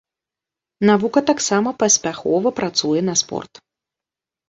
Навука таксама паспяхова працуе на спорт.